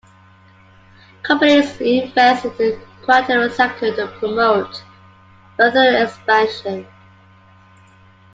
Companies invest in the quaternary sector to promote further expansion.